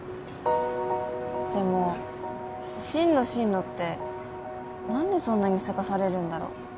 でも進路進路って何でそんなにせかされるんだろう